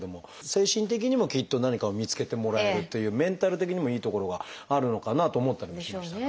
精神的にもきっと何かを見つけてもらえるというメンタル的にもいいところがあるのかなと思ったりもしましたが。